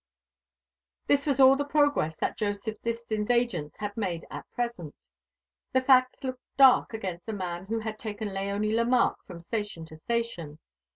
This was all the progress that Joseph Distin's agents had made at present. The facts looked dark against the man who had taken Léonie Lemarque from station to station.